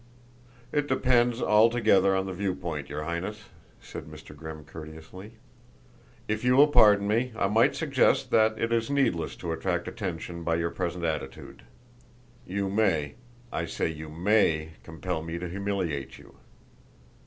"It depends altogether on the view point, your Highness," said Mr. Grimm courteously. "If you will pardon me I might suggest that it is needless to attract attention by your present attitude. You may I say you may compel me to humiliate you."